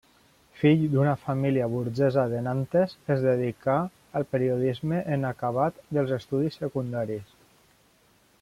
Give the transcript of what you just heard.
Fill d'una família burgesa de Nantes, es dedicà al periodisme en acabat dels estudis secundaris.